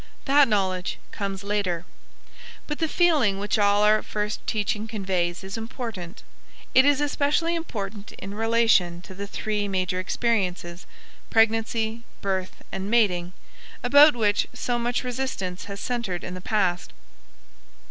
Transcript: That knowledge comes later. But the feeling which all our first teaching conveys is important. It is especially important in relation to the three major experiences, pregnancy, birth, and mating, about which so much resistance has centered in the past.